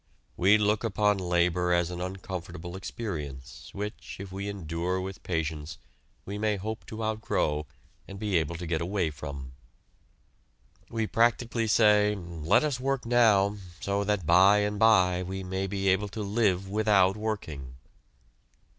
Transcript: We look upon labor as an uncomfortable experience, which, if we endure with patience, we may hope to outgrow and be able to get away from. We practically say: "Let us work now, so that by and by we may be able to live without working!"